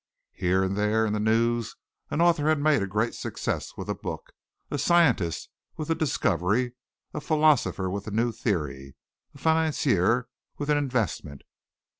Here and there in the news an author had made a great success with a book; a scientist with a discovery; a philosopher with a new theory; a financier with an investment.